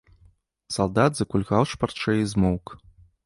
Салдат закульгаў шпарчэй і змоўк.